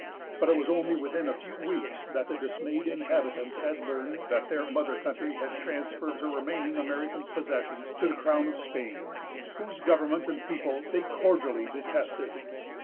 But it was only within a few weeks that the dismayed inhabitants had learned that their mother country had transferred her remaining American possessions to the crown of Spain, whose government and people they cordially detested.